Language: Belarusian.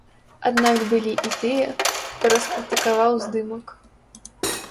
Аднак былі і тыя, хто раскрытыкаваў здымак.